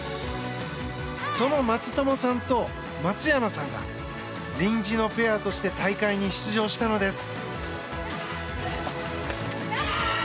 その松友さんと松山さんが臨時のペアとして大会に出場したのです。